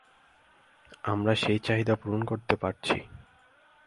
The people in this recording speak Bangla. আমরা সেই চাহিদা পূরণ করতে পারছি।